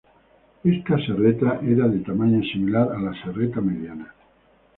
Esta serreta era de tamaño similar a la serreta mediana.